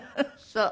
そう。